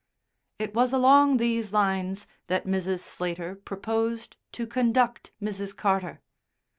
It was along these lines that Mrs. Slater proposed to conduct Mrs. Carter.